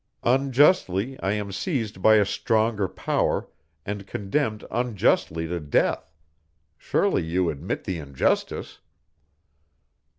Unjustly, I am seized by a stronger power and condemned unjustly to death. Surely you admit the injustice?"